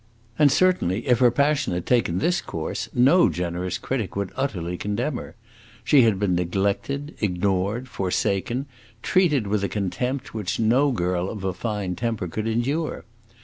And certainly if her passion had taken this course no generous critic would utterly condemn her. She had been neglected, ignored, forsaken, treated with a contempt which no girl of a fine temper could endure.